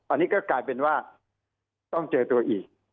อันนี้ก็กลายเป็นว่าต้องเจอตัวอีก